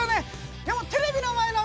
でもテレビの前の皆さん